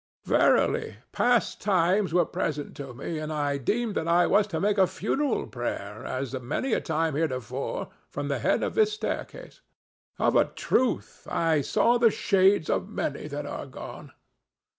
Verily, past times were present to me, and I deemed that I was to make a funeral prayer, as many a time heretofore, from the head of this staircase. Of a truth, I saw the shades of many that are gone.